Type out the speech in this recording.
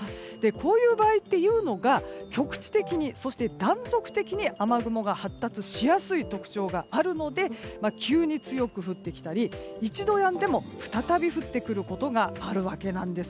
こういう場合は局地的にそして断続的に雨雲が発達しやすいという特徴があるので急に強く降ってきたり一度やんでも再び降ってくることがあるわけなんです。